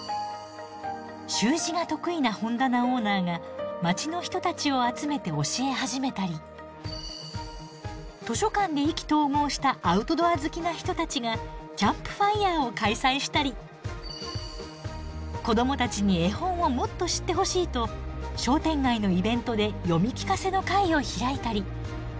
習字が得意な本棚オーナーが街の人たちを集めて教え始めたり図書館で意気投合したアウトドア好きな人たちがキャンプファイアを開催したり子どもたちに絵本をもっと知ってほしいと商店街のイベントで読み聞かせの会を開いたり。